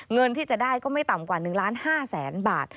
เงินที่จะได้ก็ไม่ต่ำกว่า๑ล้าน๕แสนบาท